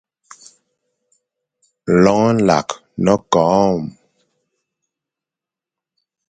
Loñ nlakh ne-koom.